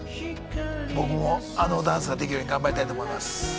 僕もあのダンスができるように頑張りたいと思います。